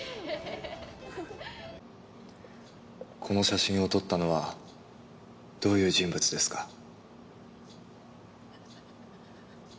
この写真を撮ったのはどういう人物ですか？